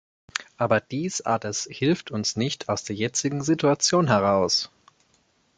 Aber dies alles hilft uns nicht aus der jetzigen Situation heraus.